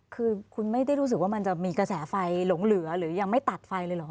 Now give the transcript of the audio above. คือคุณไม่ได้รู้สึกว่ามันจะมีกระแสไฟหลงเหลือหรือยังไม่ตัดไฟเลยเหรอ